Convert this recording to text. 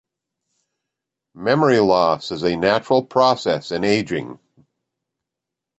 Memory loss is a natural process in aging.